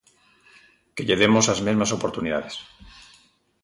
Que lle demos as mesmas oportunidades.